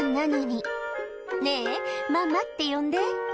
「ねぇママって呼んで」